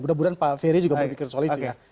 mudah mudahan pak ferry juga berpikir soal itu ya